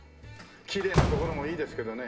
きれいな所もいいですけどね